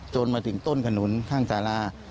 จนมาถึงต้นขนุนข้างสารา